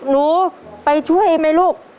หนูไปช่วยไหมลูก